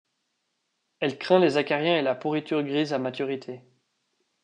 Elle craint les acariens et la pourriture grise à maturité.